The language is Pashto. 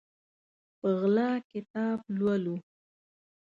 په غلا کتاب لولو